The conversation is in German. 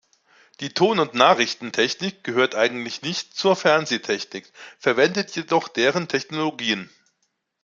Die Ton- und Nachrichtentechnik gehört eigentlich nicht zur Fernsehtechnik, verwendet jedoch deren Technologien.